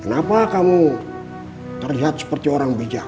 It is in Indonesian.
kenapa kamu terlihat seperti orang bijak